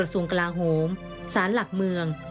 ส่วนกลาโหมศาลหลักเมือง